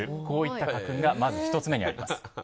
こういった家訓がまず１つ目にあります。